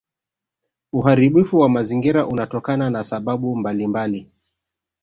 uharibifu wa mazingira unatokana na sababu mbalimbali